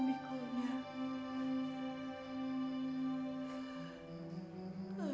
nenek kenapa sedih